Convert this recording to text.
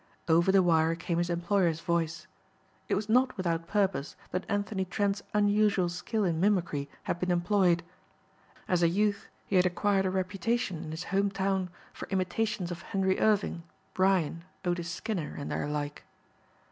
Over the wire came his employer's voice. It was not without purpose that Anthony Trent's unusual skill in mimicry had been employed. As a youth he had acquired a reputation in his home town for imitations of Henry Irving, Bryan, Otis Skinner and their like.